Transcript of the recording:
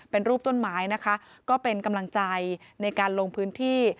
เป็นรูปต้นไม้นะคะก็เป็นกำลังใจในการลงพื้นที่